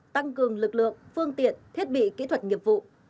tăng cường lực lượng phương tiện thiết bị kỹ thuật nghiệp vụ